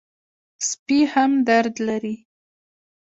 سپي هم درد لري.